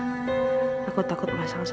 semua untuk hati sendiri aku pikir